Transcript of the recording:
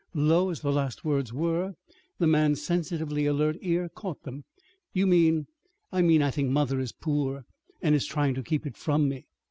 Low as the last words were, the man's sensitively alert ear caught them. "You mean " "I mean I think mother is is poor, and is trying to keep it from me."